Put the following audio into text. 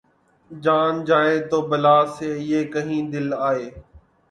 جان جائے تو بلا سے‘ پہ کہیں دل آئے